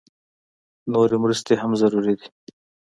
نورې مرستې هم ضروري دي